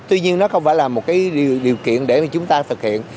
tuy nhiên nó không phải là một cái điều kiện để mà chúng ta thực hiện